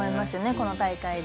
この大会で。